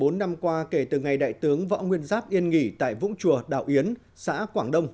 bốn năm qua kể từ ngày đại tướng võ nguyên giáp yên nghỉ tại vũng chùa đảo yến xã quảng đông